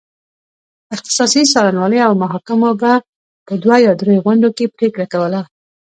اختصاصي څارنوالۍ او محاکمو به په دوه یا درې غونډو کې پرېکړه کوله.